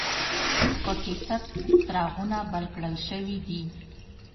په کې تت څراغونه بل کړل شوي دي.